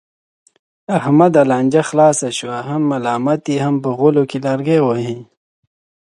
احمده! لانجه خلاصه شوه، هم ملامت یې هم غولو کې لرګی وهې.